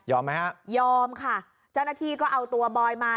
ไหมฮะยอมค่ะเจ้าหน้าที่ก็เอาตัวบอยมา